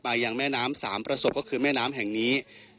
ยังแม่น้ำสามประสบก็คือแม่น้ำแห่งนี้